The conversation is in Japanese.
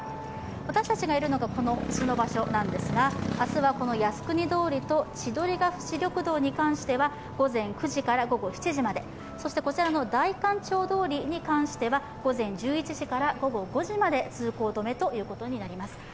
私たちがいるのがこの★の場所なんですが明日はこの靖国通りと千鳥ヶ淵通りに関しては午前９時から午後７時まで、代官山町通りに関しては午前１１時から午後５時まで通行止めとなります。